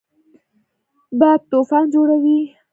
باد طوفان جوړوي